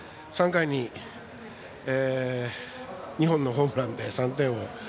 ３回に２本のホームランで３点を。